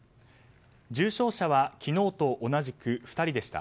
重症者は昨日と同じく２人でした。